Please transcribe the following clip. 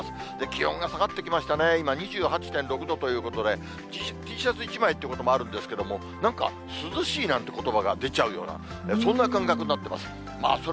気温が下がってきましたね、今、２８．６度ということで、Ｔシャツ１枚ということもあるんですけれども、なんか涼しいなんてことばが出ちゃうような、そんな感覚になってます。